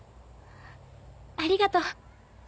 ありがとう。